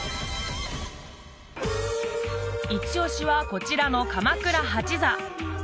イチオシはこちらの鎌倉八座